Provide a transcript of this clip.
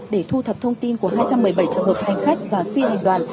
để thu thập thông tin của hai trăm một mươi bảy trường hợp hành khách và phi hành đoàn